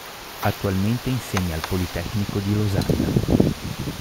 Attualmente insegna al Politecnico di Losanna.